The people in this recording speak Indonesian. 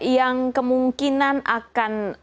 yang kemungkinan akan